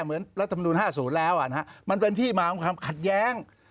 เหมือนรัฐธรรมนูญ๕๐แล้วมันเป็นที่มาของความขัดแย้ง